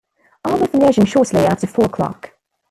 I'll be finishing shortly after four o'clock.